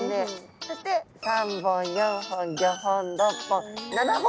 そして３本４本５本６本７本とあります。